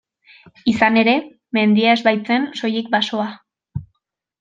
Izan ere, mendia ez baitzen soilik basoa.